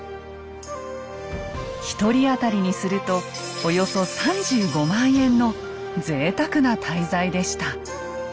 １人当たりにするとおよそ３５万円のぜいたくな滞在でした。